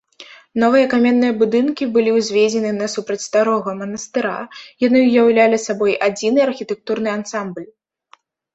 Новыя каменныя будынкі былі ўзведзены насупраць старога манастыра, яны ўяўлялі сабой адзіны архітэктурны ансамбль.